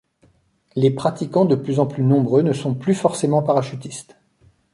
Les pratiquants de plus en plus nombreux ne sont plus forcement parachutistes.